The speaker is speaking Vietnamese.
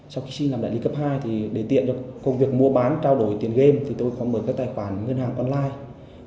sau khi xin làm đại lý cấp hai thì để tiện cho công việc mua bán trao đổi tiền game thì tôi có mở các tài khoản ngân hàng online